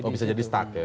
oh bisa jadi stuck ya